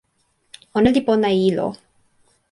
ona li pona e ilo.